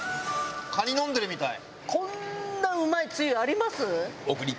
カニ飲んでるみたい。